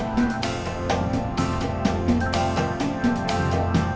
tidak ada apa